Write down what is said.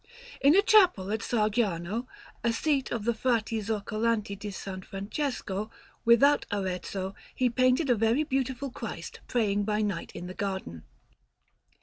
In a chapel at Sargiano, a seat of the Frati Zoccolanti di S. Francesco, without Arezzo, he painted a very beautiful Christ praying by night in the Garden.